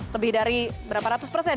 lebih dari berapa ratus persen